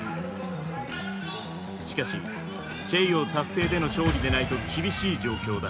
しかしチェイヨー達成での勝利でないと厳しい状況だ。